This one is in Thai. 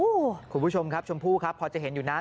เนี่ยครับคุณผู้ชมครับชมพู่ครับพอจะเห็นอยู่หน้า